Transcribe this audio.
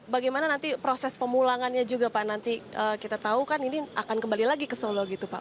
bagaimana nanti proses pemulangannya juga pak nanti kita tahu kan ini akan kembali lagi ke solo gitu pak